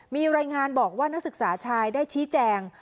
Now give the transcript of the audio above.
มีรายงานบอกว่านักศึกษาชายได้ชี้แจง